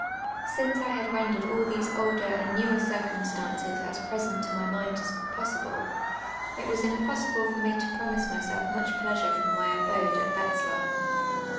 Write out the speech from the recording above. Since I had rendered all these older and newer circumstances s ])resent to my mind as possible, it was impossible f(;r nu' to loniise myself much ijleasure from my abode at Wet/lar.